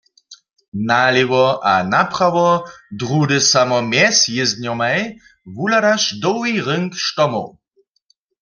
Nalěwo a naprawo, druhdy samo mjez jězdnjomaj, wuhladaš dołhi rynk štomow.